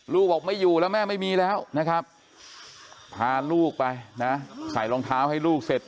ลูกบอกไม่อยู่แล้วแม่ไม่มีแล้วนะครับพาลูกไปนะใส่รองเท้าให้ลูกเสร็จ